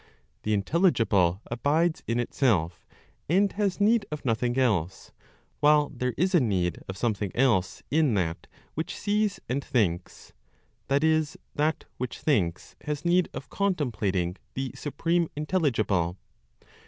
The Intelligible abides in itself, and has need of nothing else, while there is a need of something else in that which sees and thinks (that is, that which thinks has need of contemplating the supreme Intelligible).